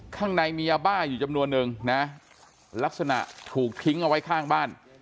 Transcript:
ข้างในมียาบ้าอยู่จำนวนนึงนะลักษณะถูกทิ้งเอาไว้ข้างบ้าน